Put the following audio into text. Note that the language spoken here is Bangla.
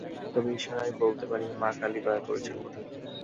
তবে ইশারায় বলতে পারি মা কালী দয়া করেছেন বটে!